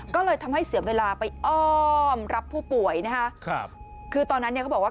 ก็เลยทำให้เสียเวลาไปอ้อมรับผู้ป่วยนะคะครับคือตอนนั้นเนี่ยเขาบอกว่า